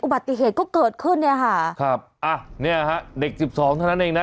ปฏิเหตุก็เกิดขึ้นเนี่ยค่ะครับอ่ะเนี่ยฮะเด็กสิบสองเท่านั้นเองนะ